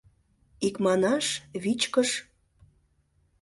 Икманаш, вичкыж.